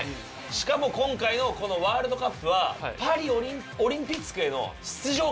しかも今回のワールドカップはパリオリンピツクへの出場権も懸かってるから。